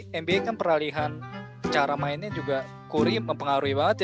soalnya nba kan peralihan cara mainnya juga curry mempengaruhi banget ya